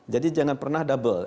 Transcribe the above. jadi jangan pernah double